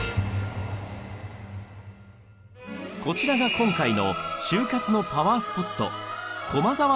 こちらが今回の就活のパワースポット